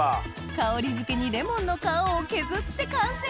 香りづけにレモンの皮を削って完成！